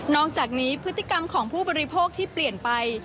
อกจากนี้พฤติกรรมของผู้บริโภคที่เปลี่ยนไป